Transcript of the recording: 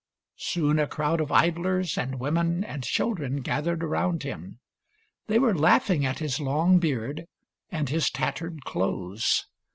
Soon a crowd of idlers and women and children gathered around him. They were laughing at his long beard and his tattered clothes.